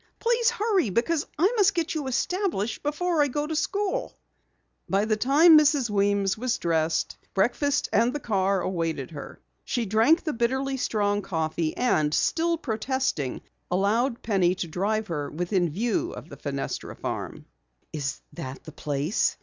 "Please hurry, because I must get you established before I go to school." By the time Mrs. Weems was dressed, breakfast and the car awaited her. She drank the bitterly strong coffee and, still protesting, allowed Penny to drive her within view of the Fenestra farm. "Is that the place?"